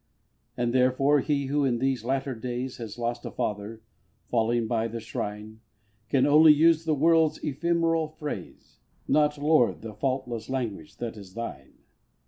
And therefore he who in these latter days Has lost a Father falling by the shrine, Can only use the world's ephemeral phrase, Not, Lord, the faultless language that is Thine.